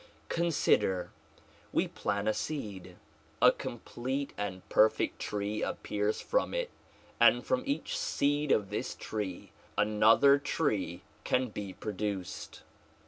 Consider; we plant a seed. A complete and perfect tree ap pears from it, and from each seed of this tree another tree can be produced.